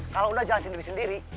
kalau udah jalan sendiri sendiri